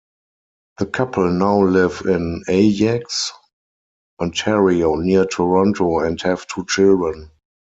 The couple now live in Ajax, Ontario, near Toronto, and have two children.